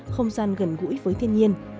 không gian gần gũi với thiên nhiên